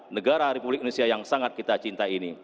negara republik indonesia yang sangat kita cinta ini